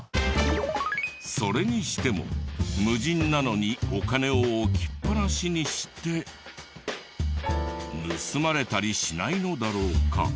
それにしても無人なのにお金を置きっぱなしにして盗まれたりしないのだろうか？